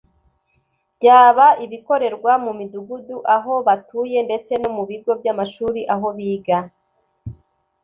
byaba ibikorerwa mu Midugudu aho batuye ndetse no mu bigo by’amashuri aho biga